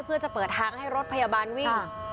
เพื่อจะเปิดทางให้รถพยาบาลวิ่ง